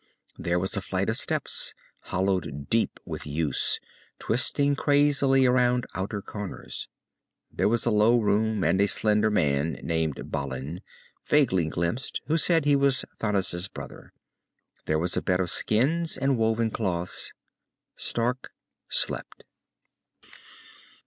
There was a flight of steps, hollowed deep with use, twisting crazily around outer corners. There was a low room, and a slender man named Balin, vaguely glimpsed, who said he was Thanis' brother. There was a bed of skins and woven cloths. Stark slept.